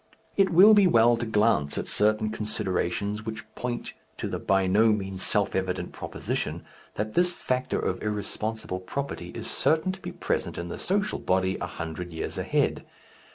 It will be well to glance at certain considerations which point to the by no means self evident proposition, that this factor of irresponsible property is certain to be present in the social body a hundred years ahead.